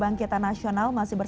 meineoul tur hat angsar masill retro